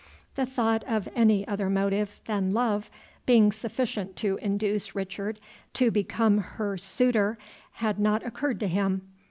The thought of any other motive than love being sufficient to induce Richard to become her suitor had not occurred to him.